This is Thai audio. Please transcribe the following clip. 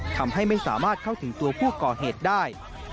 ทำให้ไม่สามารถเข้าถึงตัวผู้ก่อเหตุได้